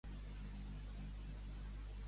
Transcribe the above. Quin lloc era proper a Plutos?